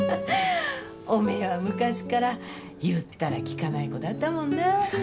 おめぇは昔っから言ったら聞かない子だったもんな。